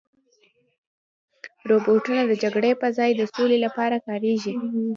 روبوټونه د جګړې په ځای د سولې لپاره کارېږي.